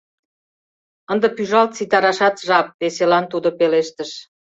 Ынде пӱжалт ситарашат жап, — веселан тудо пелештыш.